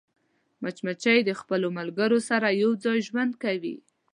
مچمچۍ د خپلو ملګرو سره یوځای ژوند کوي